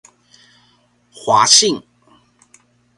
華信